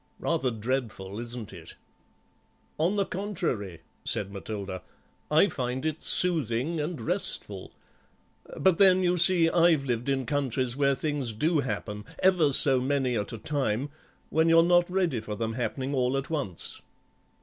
Rather dreadful, isn't it?" "On the contrary," said Matilda, "I find it soothing and restful; but then, you see, I've lived in countries where things do happen, ever so many at a time, when you're not ready for them happening all at once."